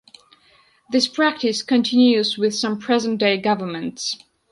This practice continues with some present day governments.